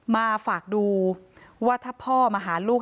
มาฝากดูว่าถ้าพ่อมาหาลูก